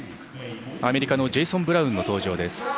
アメリカのジェイソン・ブラウンの登場です。